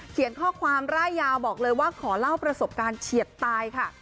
ข้อความร่ายยาวบอกเลยว่าขอเล่าประสบการณ์เฉียดตายค่ะ